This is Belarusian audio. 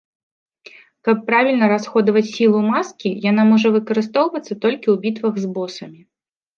Каб правільна расходаваць сілу маскі, яна можа выкарыстоўвацца толькі ў бітвах з босамі.